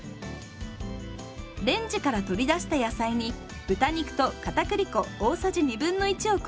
レンジから取り出した野菜に豚肉とかたくり粉大さじ1/2を加えて混ぜます。